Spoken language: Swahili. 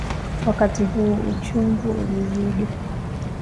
Wakati huu, uchungu ulizidi.